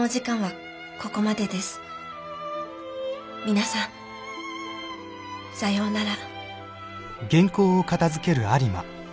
皆さんさようなら。